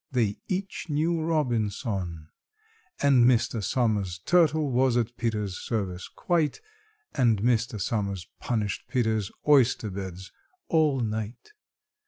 they each knew ROBINSON! And Mr. SOMERS' turtle was at PETER'S service quite, And Mr. SOMERS punished PETER'S oyster beds all night.